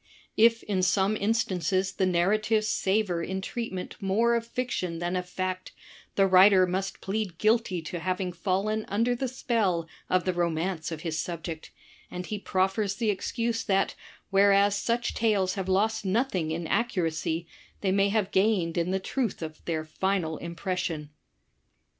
If in some instances the narratives savor in treatment more of fiction than of fact, the writer must plead guilty to having fallen under the spell of the romance of his subject, and he proffers the excuse that, whereas such tales have lost nothing in accuracy, they may have gained in the truth of their final impression.'